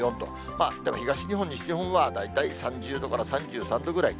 でも東日本、西日本は、大体３０度から３３度ぐらい。